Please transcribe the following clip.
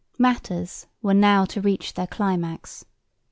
Matters were now to reach their climax.